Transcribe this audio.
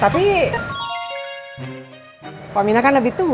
tapi poh mina kan lebih tua